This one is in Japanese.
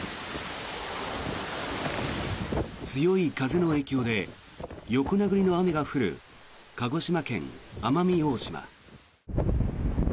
強い風の影響で横殴りの雨が降る鹿児島県・奄美大島。